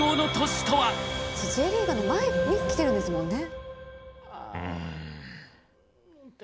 Ｊリーグの前に来てるんですもんね。